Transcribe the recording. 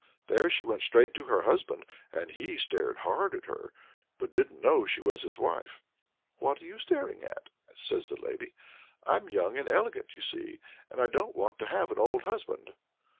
There she went straight to her husband, and he stared hard at her, but didn't know she was his wife. "What are you staring at?" says the lady. "I'm young and elegant, you see, and I don't want to have an old husband!